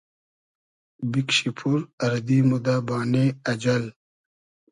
بیکشی پور اردی مۉ دۂ بانې اجئل